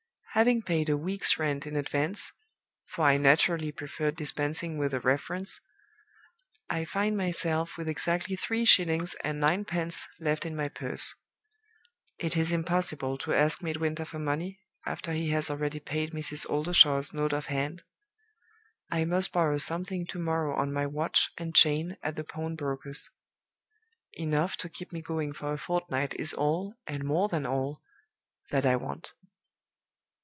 Having paid a week's rent in advance (for I naturally preferred dispensing with a reference), I find myself with exactly three shillings and ninepence left in my purse. It is impossible to ask Midwinter for money, after he has already paid Mrs. Oldershaw's note of hand. I must borrow something to morrow on my watch and chain at the pawnbroker's. Enough to keep me going for a fortnight is all, and more than all, that I want.